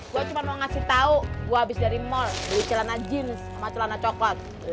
gue cuma mau ngasih tau gue abis dari mall beli celana jeans sama celana coklat